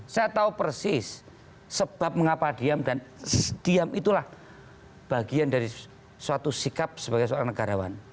saya tahu persis sebab mengapa diam dan diam itulah bagian dari suatu sikap sebagai seorang negarawan